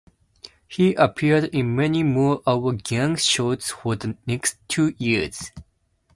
He appeared in many more Our Gang shorts for the next two years.